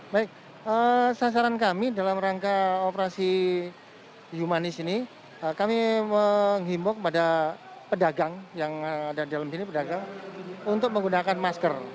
baik sasaran kami dalam rangka operasi humanis ini kami menghimbau kepada pedagang yang ada di dalam sini pedagang untuk menggunakan masker